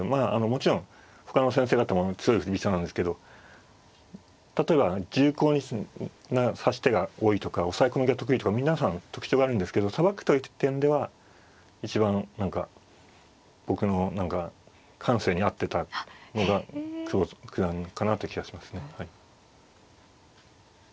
もちろんほかの先生方も強い振り飛車なんですけど例えば重厚な指し手が多いとか押さえ込みが得意とか皆さん特徴があるんですけどさばくという点では一番何か僕の何か感性に合ってたのが久保九段かなという気がしますね。